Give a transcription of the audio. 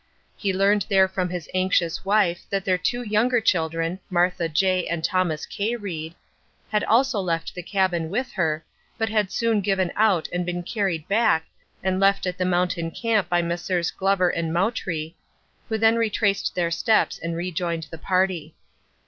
He learned there from his anxious wife that their two younger children, Martha J. and Thomas K. Reed, had also left the cabin with her, but had soon given out and been carried back and left at the mountain camp by Messrs. Glover and Moutrey, who then retraced their steps and rejoined the party.